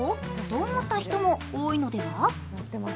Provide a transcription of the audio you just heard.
そう思った人も多いのでは？